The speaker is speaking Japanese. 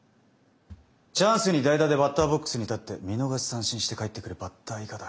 チャンスに代打でバッターボックスに立って見逃し三振して帰ってくるバッター以下だ。